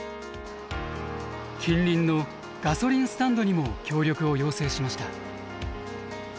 近隣のガソリンスタンドにも協力を要請しました。